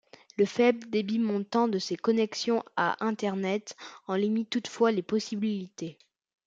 Le faible débit montant de ces connexions à Internet en limite toutefois les possibilités.